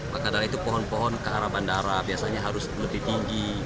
maka dari itu pohon pohon ke arah bandara biasanya harus lebih tinggi